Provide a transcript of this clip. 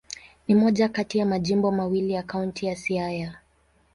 Ni moja kati ya majimbo mawili ya Kaunti ya Siaya.